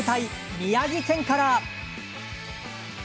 宮城県から。